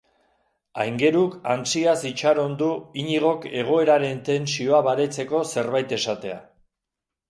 Aingeruk antsiaz itxaron du Iñigok egoeraren tentsioa baretzeko zerbait esatea.